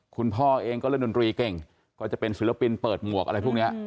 คุณพ่อเองก็เล่นดนตรีเก่งก็จะเป็นศิลปินเปิดหมวกอะไรพวกนี้